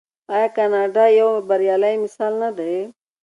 آیا کاناډا یو بریالی مثال نه دی؟